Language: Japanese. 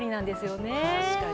確かに。